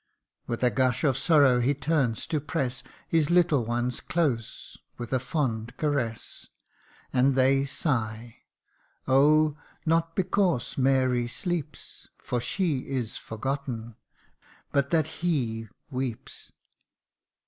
With a gush of sorrow he turns to press His little ones close with a fond caress, And they sigh oh ! not because Mary sleeps, For she is forgotten but that H E weeps.